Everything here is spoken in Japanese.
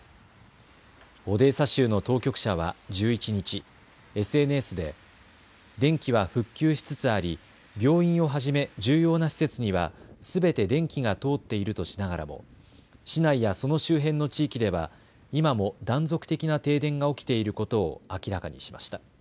オデーサ州の当局者は１１日、ＳＮＳで電気は復旧しつつあり病院をはじめ重要な施設にはすべて電気が通っているとしながらも市内やその周辺の地域では今も断続的な停電が起きていることを明らかにしました。